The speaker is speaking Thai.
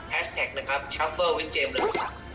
แพสต์แท็กชัฟเฟิลพี่เจมส์นักศึกษา